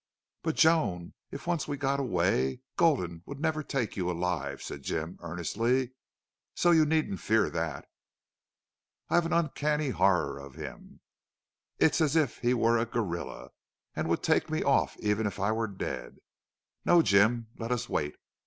"But, Joan, if we once got away Gulden would never take you alive," said Jim, earnestly. "So you needn't fear that." "I've uncanny horror of him. It's as if he were a gorilla and would take me off even if I were dead!... No, Jim, let us wait.